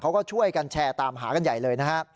เขาก็ช่วยกันแชร์ตามหากันใหญ่เลยนะฮะ